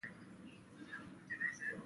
تاریخ د افغان ماشومانو د زده کړې موضوع ده.